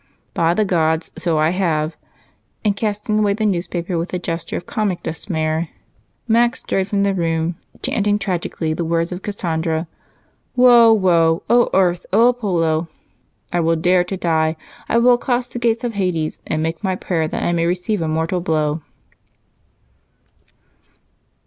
"By the gods, so I have!" And casting away the newspaper with a gesture of comic despair, Mac strode from the room, chanting tragically the words of Cassandra, "'Woe! woe! O Earth! O Apollo! I will dare to die; I will accost the gates of Hades, and make my prayer that I may receive a mortal blow!'"